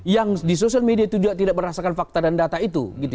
yang di sosial media itu juga tidak merasakan fakta dan data itu